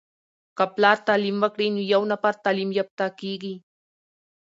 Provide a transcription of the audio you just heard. که پلار تعليم وکړی نو یو نفر تعليم يافته کیږي.